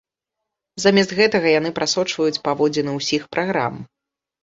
Замест гэтага яны прасочваюць паводзіны ўсіх праграм.